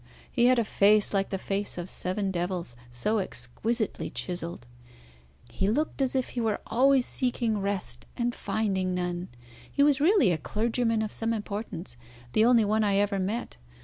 He had a face like the face of seven devils, so exquisitely chiselled. He looked as if he were always seeking rest and finding none. He was really a clergyman of some importance, the only one I ever met.